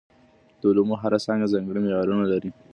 د علومو هره څانګه ځانګړي معیارونه لري.